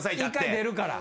１回出るから。